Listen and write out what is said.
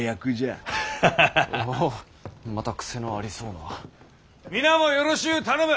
あぁまた癖のありそうな。皆もよろしゅう頼む。